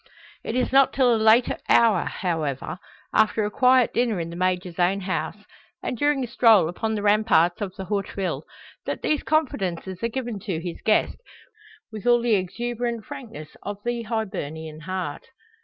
It is not till a later hour, however, after a quiet dinner in the Major's own house, and during a stroll upon the ramparts of the Haute Ville, that these confidences are given to his guest, with all the exuberant frankness of the Hibernian heart.